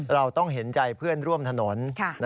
เราต้องเห็นใจเพื่อนร่วมถนน